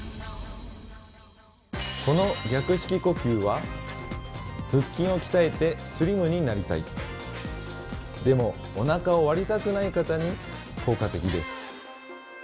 この逆式呼吸は腹筋を鍛えてスリムになりたいでもおなかを割りたくない方に効果的です。